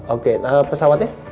oke nah pesawatnya